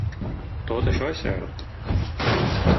Tot això és cert.